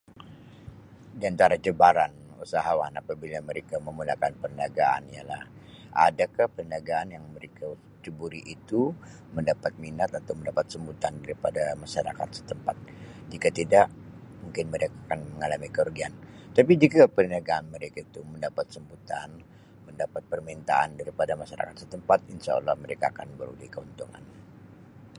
Di antara cabaran usahawan apabila mereka memulakan perniagaan ialah adake perniagaan yang mereka ceburi itu mendapat minat atau mendapat sambutan daripada masyarakat setempat jika tidak mungkin mereka kurang mengalami kerugian tapi jike perniagaan mereka tu mendapat sambutan mendapat permintaan daripada masyarakat setempat Insha Allah mereka akan beroleh keuntungan.